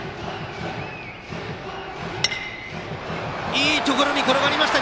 いいところに転がりました！